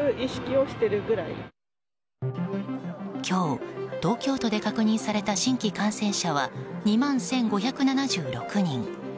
今日、東京都で確認された新規感染者は２万１５７６人。